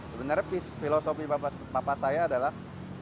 sebenarnya filosofi papa saya adalah